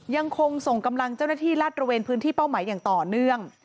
ยังคงส่งกำลังเจ้าหน้าที่ลาดระเวนพื้นที่เป้าหมายอย่างต่อเนื่อง